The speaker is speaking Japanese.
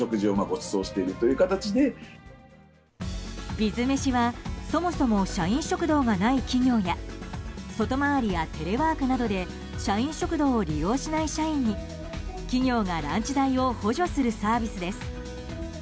びずめしはそもそも写真食堂がない企業や外回りやテレワークなどで社員食堂を利用しない社員に企業がランチ代を補助するサービスです。